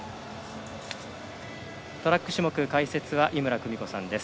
トラック種目の解説は井村久美子さんです。